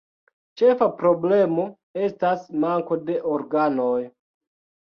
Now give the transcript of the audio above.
Ĉefa problemo estas manko de organoj.